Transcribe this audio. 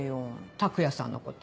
拓也さんのこと？